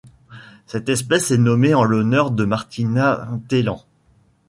Cette espèce est nommée en l'honneur de Martína Thelen.